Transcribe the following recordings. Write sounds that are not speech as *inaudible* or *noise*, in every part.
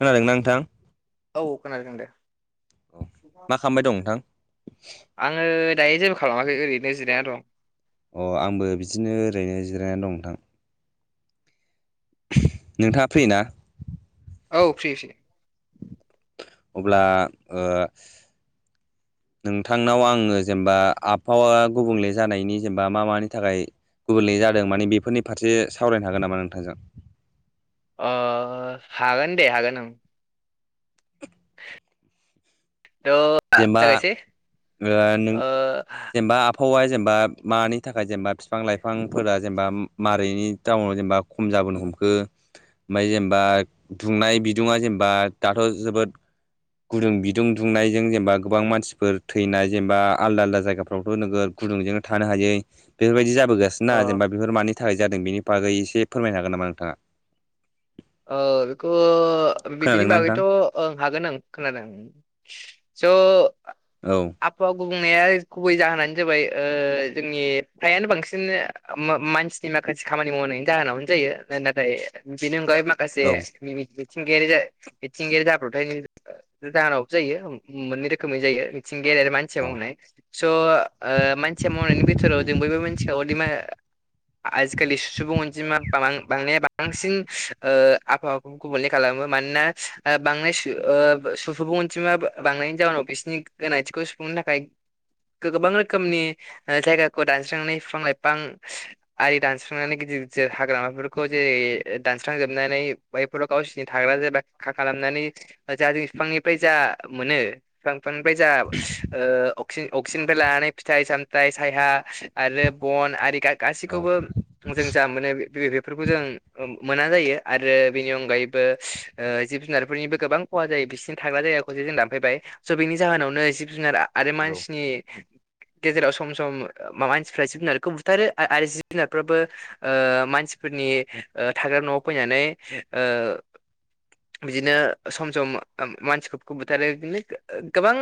खोनादोंना नोंथां औ खोनादों दे। मा खालामबाय दं नोंथां? आङो दायो जेबो खालामाखै ओरैनो जिरायना दं। अ आंबो बिदिनो ओरैनो जिरायनानै दं नोंथां। नोंथाङा फ्रि ना? औ फ्रि इसे। अब्ला ओ नोंथांनाव आङो जेनेबा आबहावा गुबुंले जानायनि जेनेबा मा मानि थाखाय गुबुंलै जादों माने बेफोरनि फारसे सावरायनो हागोन नामा नोंथांजों। अ हागोन दे हागोन ओं। ओं थ' जेनेबा जागायसै ओ नों ओ जेनेबा आबहावाया जेनेबा मानि थाखाय जेनेबा बिफां लाइफांफोरा जेनेबा मारैनि टाउनाव जेनेबा खम जाबोनो हमखो ओमफ्राय जेनेबा दुंनाय बिदुङा जेनेबा दाथ' जोबोद गुदुं बिदुं दुंनाय जों जेनेबा गोबां मानसिफोर थैनाय जेनेबा आलदा आलदा जायगाफ्रावथ' नोगद गुदुंजोंनो थानो हायै बेफोरबायदि जाबोगासिनोा अ जेनेबा बेफोर मानि थाखाय जादों बेनि बागै एसे फोरमायनो हागोन नामा नोंथाङा? औ बेखौ बिनि खोनादोंना नोंथां बागैथ' ओं हागोन आं खोनादों। ज' औ गुबनाया गुबै जाहोनानो जाबाय जोंनि फ्रायानो बांसिन मानसिनि माखासे खामानि मावनायनि जाहोनावनो जायो नाथाय बेनि अनगायै माखासे औ मिथिंगायारि मिथिंगायारि जाब्र'थाय जाहानावो जायो मोननै रोखोमै जायो। गेलेर मानसि औ मावनाय स' मानसिया मावनायनि बिथोराव उम जों बयबो मानसिखौ अमा आजिखालि सुबुं अनजिमा ब बांनाया बांसिन आबहावाखौ गुबले खालामो मानोना बांनाय सुबुं अनजिमा थांनायनि जाउनाव बिसिरनि गोनांथिखौ सुफुंनो थाखाय गोबां रोखोमनि जायगाखौ दानस्रांनानै बिफां लाइफां आरि दानस्रांनानै गिद हाग्रामाफोरखौ जस जोबनानै बैफोराव गावसिोरनि थाग्रा ज खालामनानै ज जों बिफांनिफ्राय जा *inaudible* अक्सिजेननि लानानै फिथाइ सामथाय साया आरो बन आर औ गासैखौबो जों जा मोनो बेफोरखौ जों मोना जायो आरो बेनि अनगायैबो जिब जुनारफोरनिबो गोबां खहा जायो बिसिनि थाग्रा जायगाखौ जों दानफैबाय स' बेनि जाहोनावनो जिब जुनार आरो मानसिनि गेजेराव सम सम मानसिफ्रा जिब जुनारखौ बुथारो आरो जिब जुनारफ्राबो मान मानसिफोरनि थाग्रा न'आव फैनानै बिदिनो सम सम मानसिफोरखौ बुथारो बिदिनो गोबां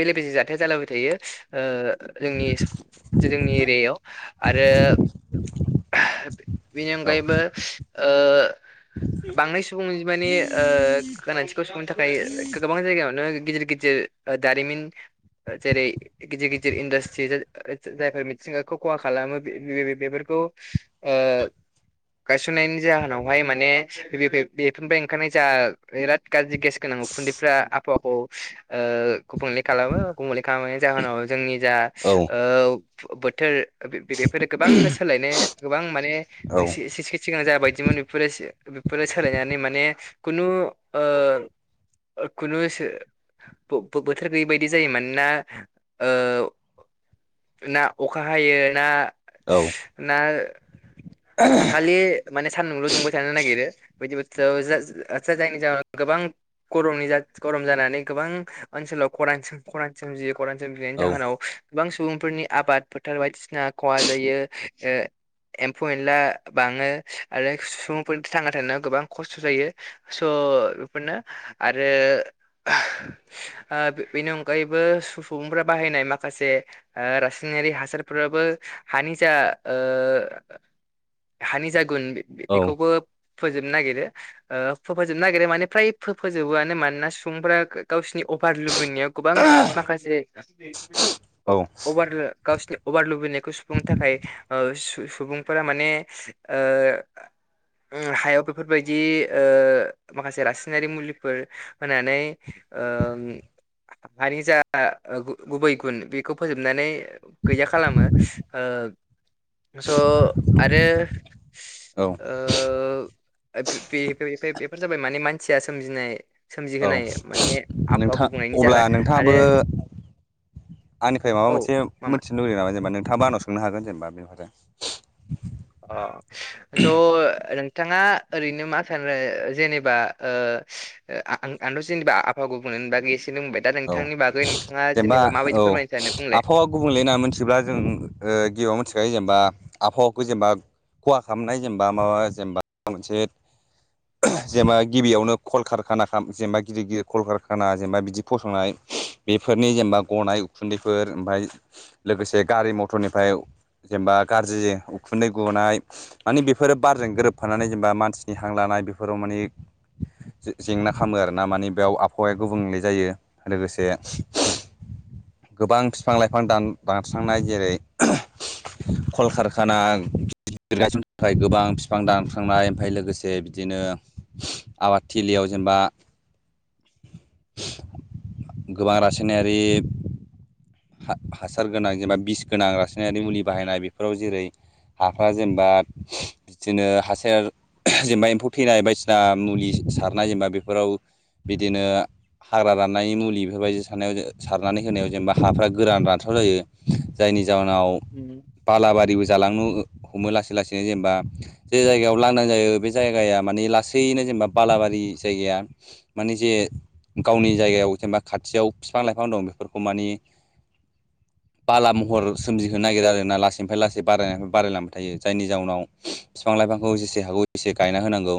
बेले बेजे जाथाया जालाबाय थायो। जोंनि जोंनि एरियायाव आरो बिनो औ गायबो आ बांनाय सुबुं मानानि गोनांथिखौ सहोननो थाखाय गोबां जायगायावनो गिदिर गिदिर दारिमिन जेरै गिदिर गिदिर इन्डास्ट्रि जायफोर मिथिंगाखौ खहा खालामो बेफोरखौ *inaudible* गायसननायनि जाहोनावहाय माने बेफोरनिफ्राय ओंखारनाय जा बिराद गाज्रि गेस गोनां उखुन्दैफ्रा आबहावाखौ गुबुंले खालामो गुबुंले खालामनायनि जाहोनाव जोंनि जा औ बोथोर बेफोरो गोबां सोलायनो गोबां माने । औ नोंसेखेथि गोनां जाबायदिमोन बेफोरो बेफोरो सोलायनानै माने। खुनु आ खुनु बोथोर गैयै बायदि जायो मानोना ना अखा हायो ना औ औ ना आंखालि माने सान्दुंल' दुंबाय थानो नागिरो बिदि थ आचचसा जायनि जाहउोनाव गोबां गरमनि गरम जानानै गोबां ओनसोलाव खरानसिम खरानसिम जियो। बिनि जाहोनाव। गोबां सुबुंफोरनि आबाद फोथार बायदिसिना खहा जायो। पइन्टला बाङो आरो सुबुंफोरनि थांना थानायाव गोबां खस्थ' जायो स' बेफोरनो आरो बेनि अनगायैबो सुबुंफोरा बाह बाहैनाय माखासे रासायनारि हासारफोराबो हानि जा हानि जागोन बेखौबो फोजोबनो नागिरो फोफोजोबनो नागिरो माने फ्राय फोफोजोबोआनो मानोना सुबुंफोरा गावसिोरनि *inaudible* नाय गोबां माखासे औ सुफुंनो थाखाय सुबुंफोरा माने ओ हायाव बेफोरबायदि ओ माखासे रासायनारि मुलिफोर होनानै ओम हानि जा ओ गु-गुबै गुन बेखौ फोजोबनानै गैया खालामो ओ स' आरो औ ओ बे-बे-बे-बेफोर जाबाय माने मानसिया सोमजिनाय औ सोमजिहोनाय माने आबहावा नोंथां गुबुंनायनि अब्ला जाहोन नोंथाङाबो आरो आंनिफ्राय माबा औ मोनसे मामोन मोनथिनो लुुबैयो नामा जेनेबा नोंथाङाबा आनाव सोंनो हागोन जेनेबा *inaudible* अ स' नों थाङा ओरैनो मा सानो जेनेबा ओ आ आं-आंथ' जेनेबा आबहावा गुबुं बागै एसे बुंबाय दा औ नोंथांनि बागै नोंथां जेनेबा औ आबहावा गुबुंले होननानै मिथिब्ला जों ओ गिबियाव मिथिखायो जेनेबा आबहावाखौ जेनबा खहा खालामनाय जेनबा माबा जेनबा मोनसे जेनबा गिबियावनो कलकारखाना खा जेनबा गिदिर गिदिर कलकारखाना जेनबा बिदि फसंनाय बेफोरनि जेनबा गनाय उखुन्दैफोर ओमफाय लोगोसे गारि मथरनिफ्राय जेनेबा गाज्रि उखुन्दै गनाय मानि बेफोरो बारजों गोरोबफानानै जेनेबा मानसिनि हां लाना नाय बेफोराव माने जे-जेंना खामो आरोना माने बेव आबहावाया गुबुंले जायो। लोगोसे गोबां फिफां लाइफां दान-दानस्रांनाय जेरै कलकारखाना गायसननो थाखाय गोबां बिफां दानस्रांनाय ओमफाय लोगोसे बिदिनो आबादथिलियाव जेनेबा गोबां रासायनारि हा-हासार गोनां जेनेबा बिस गोनां रासायनारि मुलि बाहायनाय बेफोराव जेरै हाफ्रा जेनेबा बिदिनो हासार जेनेबा एम्फौ थैनाय बायदिसिना मुलि सारनाय जेनबा बेफोराव बिदिनो हाग्रा रान नाय मुलि बेफोरबायदि सारनायाव सारनानै होनायाव जेनेबा हाफ्रा गोरान रानस्राव जायो जायनि जाउनाव उम बालाबारिबो जालांनो हमो लासै लासैनो जेनेबा जे जायगायाव लांदां जायो बे जायगाया मानि लासैनो जेनेबा बालाारि रि जायगाया माने जे गावनि जायगायाव जेनेबा खाथियाव फिफां लाइफां दं बेफोरखौ मानि बाला महर सोमजिहोनो नागिरो आरोना लासैनिफ्राय लासै बारायनाय बारायलांबाय थायो जायनि जाउनाव फिफां लाइफांखौ जेसे हागौ एसे गायना होनांगौ।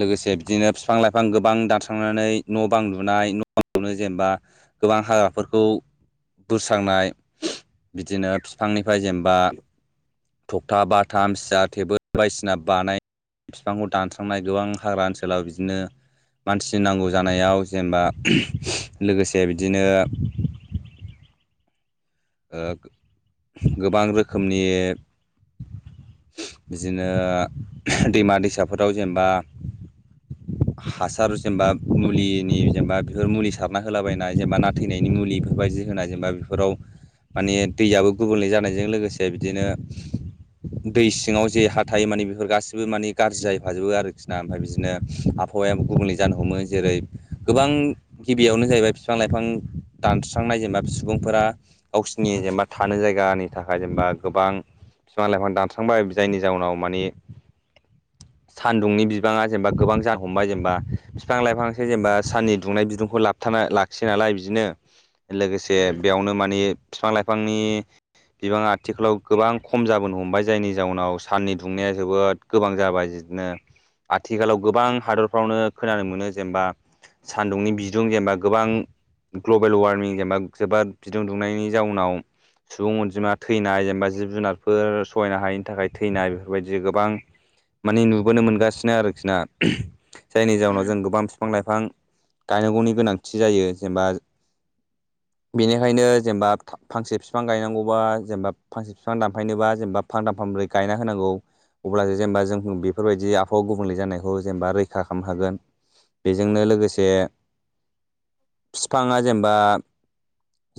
लोगोसे बिदिनो फिफां लाइफां गोबां दानस्रांनानै न' बां लुनाय नो जेनेबा गोबां हाग्राफोरखौ बोस्रांनाय बिदिनो बिफांनिफ्राय जेनेबा थखथा बाथाम सियार टेबोल बायदिसिना बानाय फिफांखौ दानस्रांनाय गोबां हाग्रा ओनसोलाव बिदिनो मानसिनि नांगौ जानायाव जेनेबा लोगोसे बिदिनो ओ गोबां रोखोमनि बिदिनो दैमा दैसाफोराव जेनेबा हासार जेनेबा मुलिनि जेनेबा बेफोर मुलि सारना होलाबायनाय जेनेबा ना थैनायनि मुलि बेफोरबायदि दि होनाय जेनबा बेफोराव माने दैआबो गुबुंले जानायजों लोगोसे बिदिनो दै सिङाव जे हा थायो माने बेफोर गासिबो माने गाज्रि जाहैफाजोबो आरोखि ना ओमफ्राय बिदिनो आबहावायाबो गुबुंले जानो हमो जेरै गोबां गिबियावनो जाहैबाय बिफां लाइफां दानस्रां नाय जेनेबा सुबुंफोरा गावसिनि जेनेबा थानो जायगानि थाखाय जेनेबा गोबां बिफां लाइफां दानस्रांबाय जायनि जाउनाव माने सानदुंनि बिबाङा जेनेबा गोबां जानो हमबाय जेनेबा बिफां लाइफांसो जेनेबा साननि दुंनाय बिदुंखौ लाबथाब बा लाखियै नालाय बिदिनो लोगोसे उम बेयावनो मानि फिफां लाइफांनि बिबाङा आथिखालाव गोबां खम जाबोनो हमबाय जायनि जाउनाव साननि दुंनाया जोबोद गोबां जाबाय। बिदिनो आथिखालाव गोबां हादरफ्रावनो खोनानो मोनो जेनेबा सान्दुंनि बिदुं जेनेबा गोबां ग्लोबेल वारमिं जेनेबा जोबोद बिदुं दुंनायनि जाउनाव सुबुं अनजिमा थैनाय जेनेबा जिब जुनारफोर सहायनो हायिनि थाखाय थैनाय बेफोरबायदि गोबां माने नुबोनो मोनगासिनो आरोखि ना जायनि जाउनाव उम जों गोबां बिफां लाइफां गायनांगौनि गोनांथि जायो जेनबा बेनिखायनो जेनेबा फांसे बिफां गायनांगौबा जेनेबा फांसे बिफां दानफायनोबा जेनेबा फांथाम फांब्रै गायना होनांगौ अब्लासो जेनेबा जों बेफोरबायदि आबहाव गुबुंले जानायखौ जेनेबा रैखा खालामनो हागोन बेजोंनो लोगोसे बिफांङा जेनबा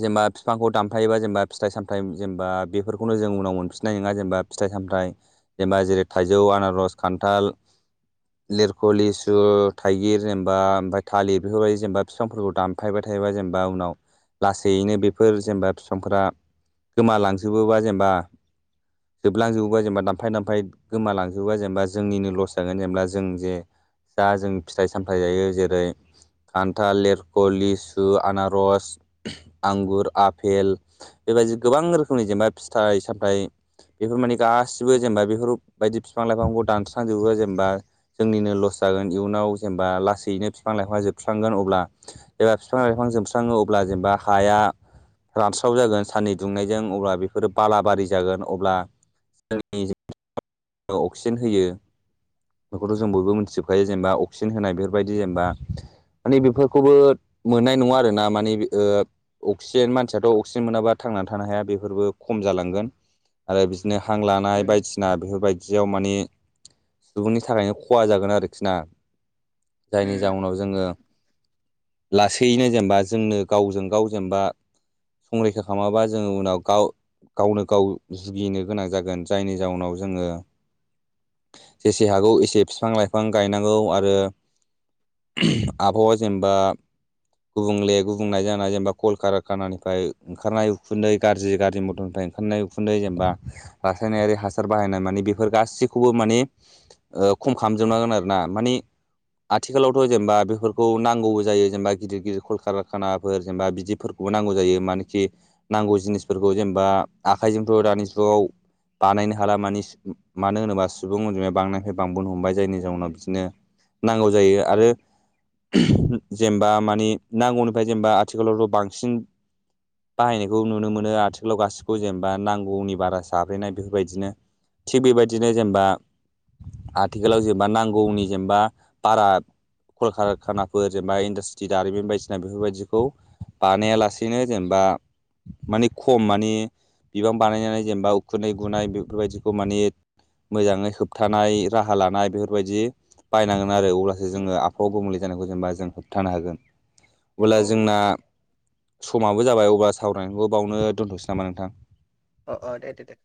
जेनबा फिफांखौ दानयोबा जेनेबा फिथाइ सामथाय जेनेबा बेफोरखौनो जों उनाव मोनफिननाय नोङा जेनेबा फिथाइ सामथाय जेनेबा जेरै थाइजौ आनारस खान्थाल लिरख' लिसु थाइगिर जेनेबा ओमफ्राय थालिर बेफोरबायदि जेनेबा बिफांफोरखौ दानफायबाय थायो थायोबा जेनेबा उनाव लासैयैनो फोर जेनेबा फिफांफोरा गोमालांजोबोबा जेनेबा जोबलांजोबोबा जेनेबा दामफाय दामफाय गोमालांजोबोबा जेनेबा जोंनिनो लस जागोन जेनेबा जों जे जा जों फिथाइ सामथायाइ जायो जेरै खान्थाल लरख' लिसु आनारस आंगुर आपेल बेबायदि गोबां रोखोमनि जेनेबा फिथाइ सामथाइ बेफोर माने गासिबो जेनेबा बेफोरबायायदि बिफां लाइफांखौ दानस्रांजोबो जेनेबा जोंनिनो लस जागोन इयुनाव जेनेबा लासैनो बिफां लाइफां जोबस्रांगोन अब्ला एबा बिफां लाइफां जोबस्राङो अब्ला जेनेबा हाया रानस्राव जागोन साननि दुंनायजों अब्ला बेफोरो बालाबारि जागोन अब्ला *unintelligible* अक्सिजेन होयो बेखौथ' जों बयबो मिथिजोबखायो जेनेबा अक्सिजेन होनाय बेफोरबायदि जेनेबा माने बेफोरखौबो मोननाय नंङा आरोना माने ओ अक्सिजेन मानसियाथ' अक्सिजेन मोनाबा थांनानै थानो हाया बेफोरबो खम जालांगोन आरो बिदिनो हां लानाय उम बायदिसिना बेफोरबायदियाव माने सुबुंनि थाखायनो खहा जागोन आरोखि ना जायनि उम जााहनाव जोंङो लासैयैनो जेनेबा जोंनो गावजों गाव जेनेबा संरैखा खालामाबा जोंङो उनाव गाव गावनो गाव जुगिनो गोनां जागोन जायनि जाउनाव जोंङो जेसे हागौ एसे बिफां लाइफां गायनांगौ आरो आबहावा जेनेबा गुबुंले गुबुंनायजाना जेनेबा कलकारखानानिफ्राय ओंखारनाय उखुन्दै गाज्रि गाज्रि मथरनिफ्राय ओंखारनाय उखुन्दै जेनेबा रासायनायारि हासार बाहायनाय माने बेफोर गाससिखौबो माने खम ओ खालामजोबनांगोन आरो ना माने आथिखालावथ' जेनेबा बेफोरखौ नांगौबो जायो जेनेबा गिदिर गिदिर कलकारखानाफोर जेनेबा बिदि फोरखौबो नांगौ जायो मानोखि नांगौ जिनिसफोरखौ जेनेबा आखाइजोंथ' दानि जुगाव बानायनो हाला मानि मानो होनोबा सुबुं अनजिमाया बांनायनिफ्राय बांबोनो हमबाय जायनि जाउनाव बिदिनो नांगौ जायो आरो जेनेबा माने नांगौनिफ्राय जेनेबा आथिखालावथ' बांसिन बाहायनायखौ नुनो मोनो आथिखालाव गासिखौबो जेनेबा नांगौनि बारा साब्रेनाय बेफोरबायदिनो थिग बेबायदिनो जेनेबा आथिखालाव जेनेबा नांगौनि जेनेबा बारा कलकखानाफोर जेनेबा इन्डासट्रि दारिमिन बायदिसिना बेफोरबायदिखौ बानायालासेनो जेनेबा माने खम माने बिबां बानायनानै जेनेबा उखुन्दै गुनाय बेफोरबायदिखौ माने मोजांङै होबथानाय राहा लानाय बेफोरबायदि बायनांगौ आरो अब्लासो उम जोंङो आबहावा गुबुंले जानायखौ जेनेबा जों होबथानो हागोन अब्ला औ जोंना समाबो जाबाय अब्ला सावरायनायखौ बावनो दोन्थ'सै नामा नोंथां अ अ दे दे दे